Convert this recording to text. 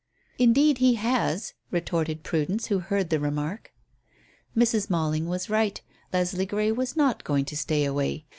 "Indeed he has," retorted Prudence, who heard the remark. Mrs. Malling was right, Leslie Grey was not going to stay away.